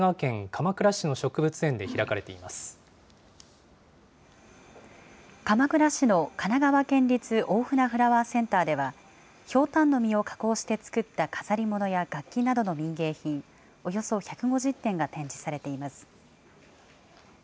鎌倉市の神奈川県立大船フラワーセンターでは、ひょうたんの実を加工して作った飾り物や楽器などの民芸品およそ１５０点が展示されています。